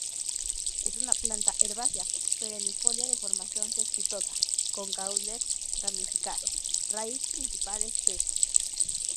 Es una planta herbácea, perennifolia, de formación cespitosa, con caudex ramificado, raíz principal espesa.